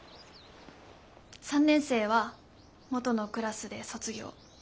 ３年生は元のクラスで卒業。